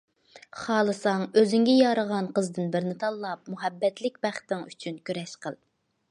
خالىساڭ ئۆزۈڭگە يارىغان قىزدىن بىرنى تاللاپ مۇھەببەتلىك بەختىڭ ئۈچۈن كۈرەش قىل!